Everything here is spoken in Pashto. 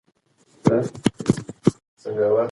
مؤمن په دواړو حالاتو کې شکر کوي.